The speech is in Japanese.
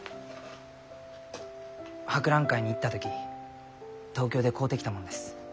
博覧会に行った時東京で買うてきたもんです。